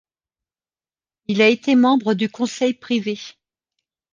Il a été membre du Conseil privé.